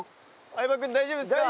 相葉君大丈夫ですか？